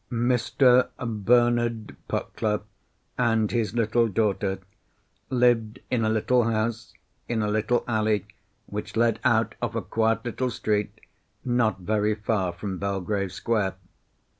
Mr. Bernard Puckler and his little daughter lived in a little house in a little alley, which led out off a quiet little street not very far from Belgrave Square.